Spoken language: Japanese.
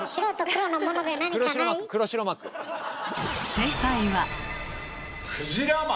正解は。